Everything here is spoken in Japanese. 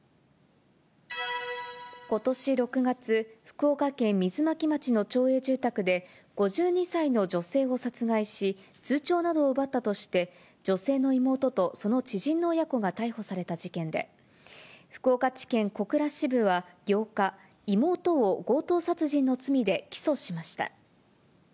ことし６月、福岡県水巻町の町営住宅で、５２歳の女性を殺害し、通帳などを奪ったとして、女性の妹とその知人の親子が逮捕された事件で、福岡地検小倉支部は８日、妹を強盗殺人の罪で起訴しました。